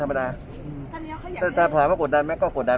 ไปตามชื่อที่มีเขาออกมาไหมคะท่าน